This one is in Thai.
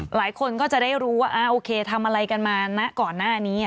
หลายคนก็จะได้รู้ว่าโอเคทำอะไรกันมาก่อนหน้านี้